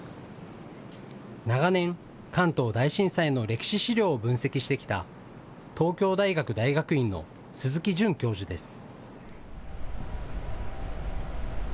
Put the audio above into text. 長年、関東大震災の歴史資料を分析してきた東京大学大学院の鈴木淳教授です。